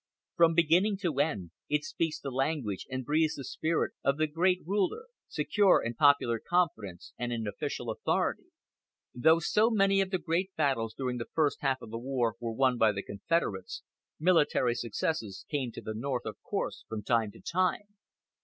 From beginning to end it speaks the language and breathes the spirit of the great ruler, secure in popular confidence and in official authority. Though so many of the great battles during the first half of the war were won by the Confederates, military successes came to the North of course from time to time.